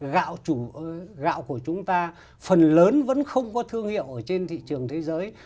gạo của chúng ta phần lớn vẫn không có thương hiệu trên thị trường thế giới